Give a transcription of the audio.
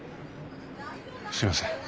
すいません。